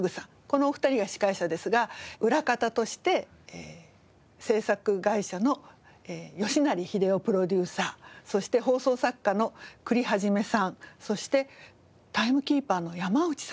このお二人が司会者ですが裏方として制作会社の吉成英夫プロデューサーそして放送作家の久利一さんそしてタイムキーパーの山内さんです。